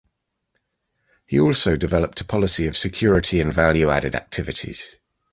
He also developed a policy of security and value-added activities.